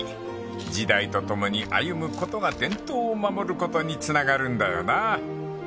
［時代と共に歩むことが伝統を守ることにつながるんだよな］